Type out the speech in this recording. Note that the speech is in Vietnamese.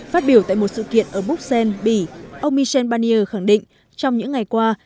phát biểu tại một sự kiện ở bruxelles bỉ ông michel barnier khẳng định trong những ngày qua